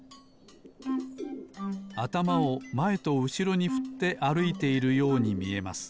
あたまをまえとうしろにふってあるいているようにみえます。